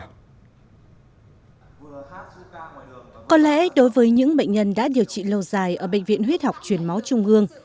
có lẽ đối với những bệnh nhân đã điều trị lâu dài ở bệnh viện huyết học truyền máu trung ương